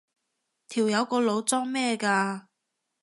條友個腦裝咩㗎？